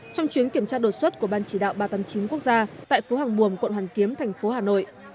trong chuyến kiểm tra đột xuất của ban chỉ đạo ba trăm tám mươi chín quốc gia tại phố hàng mùa quận hoàn kiếm thành phố hà nội